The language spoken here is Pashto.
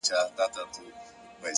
مهرباني د زړونو ژبه ده